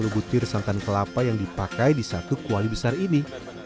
sepuluh butir santan kelapa yang dipakai di satu kuali besar ini